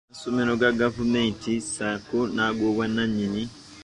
Amasomero aga gavumenti ssaako n’ago ag’obwannannyini.